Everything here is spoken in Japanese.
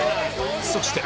そして